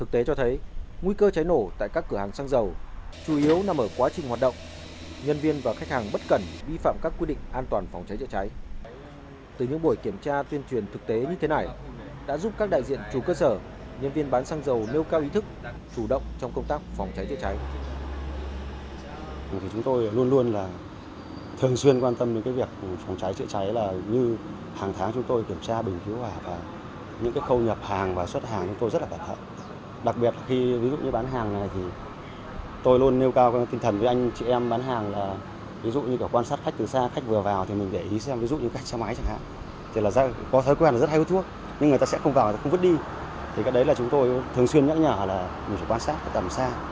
thì cái đấy là chúng tôi thường xuyên nhắc nhở là mình phải quan sát tầm xa bởi vì khi mà có cái tiên lửa thì nó rất nguy hiểm